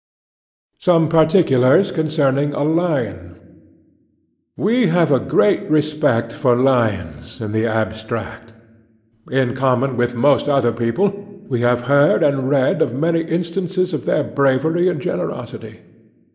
SOME PARTICULARS CONCERNING A LION WE have a great respect for lions in the abstract. In common with most other people, we have heard and read of many instances of their bravery and generosity.